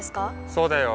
そうだよ。